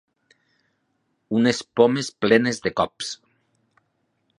Unes pomes plenes de cops.